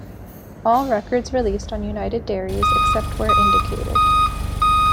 All records released on United Dairies, except where indicated.